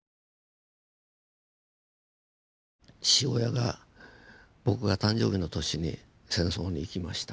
父親が僕が誕生日の年に戦争に行きました。